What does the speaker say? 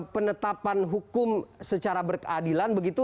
penetapan hukum secara berkeadilan begitu